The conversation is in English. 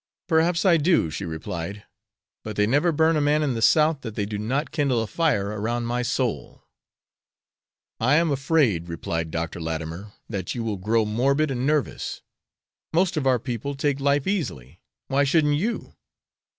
"Perhaps I do," she replied, "but they never burn a man in the South that they do not kindle a fire around my soul." "I am afraid," replied Dr. Latimer, "that you will grow morbid and nervous. Most of our people take life easily why shouldn't you?"